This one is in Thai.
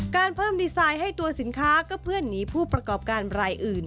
เพิ่มดีไซน์ให้ตัวสินค้าก็เพื่อนหนีผู้ประกอบการรายอื่น